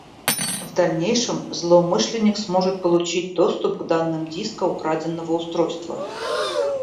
В дальнейшем злоумышленник сможет получить доступ к данным диска украденного устройства